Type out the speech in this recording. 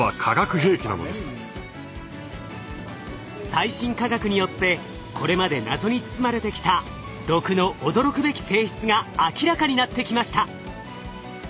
最新科学によってこれまで謎に包まれてきた毒の驚くべき性質が明らかになってきました。